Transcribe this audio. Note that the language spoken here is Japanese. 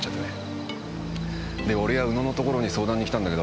で俺や宇野のところに相談にきたんだけど